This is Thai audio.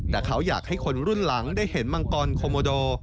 แต่เขาอยากให้คนรุ่นหลังได้เห็นมังกรโคโมโด